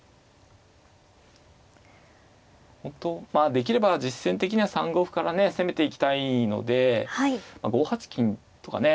まあできれば実戦的には３五歩からね攻めていきたいので５八金とかね